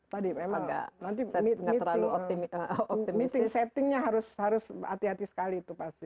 tadi memang meeting settingnya harus hati hati sekali itu pasti